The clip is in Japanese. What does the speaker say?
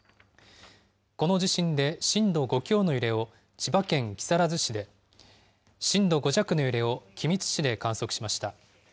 この地震で震度５強の揺れを千葉県木更津市で、震度５弱の揺れを君津市で観測しました。